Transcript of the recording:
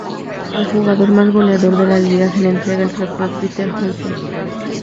Al jugador más goleador de la liga se le entrega el Trofeo Peter Olson.